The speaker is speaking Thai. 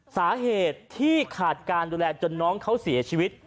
สาเหตุที่ขาดการดูแลจนน้องเขาเสียชีวิต